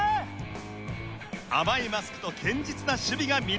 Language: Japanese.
甘いマスクと堅実な守備が魅力。